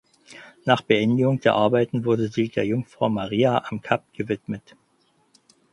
Nach Beendigung der Arbeiten wurde sie der „Jungfrau Maria am Kap“ gewidmet.